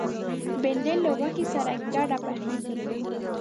بېنډۍ له غوښې سره ګډه پخېږي